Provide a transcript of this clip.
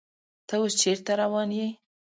ته اوس چیرته روان یې؟